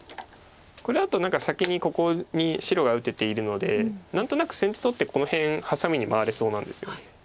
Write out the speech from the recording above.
これだと何か先にここに白が打てているので何となく先手取ってこの辺ハサミに回れそうなんですよね。